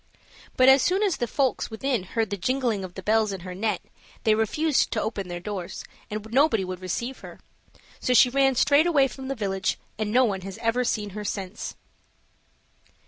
But as soon as the folks within heard the jingling of the bells in her net, they refused to open their doors, and nobody would receive her. So she ran straight away from the village, and no one has ever seen her since.